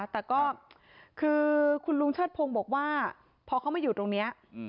แต่ก็คือคุณลุงเชิดพงศ์บอกว่าพอเขามาอยู่ตรงนี้